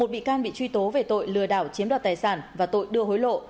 một bị can bị truy tố về tội lừa đảo chiếm đoạt tài sản và tội đưa hối lộ